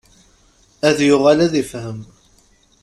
Ad yuɣal ad ifhem.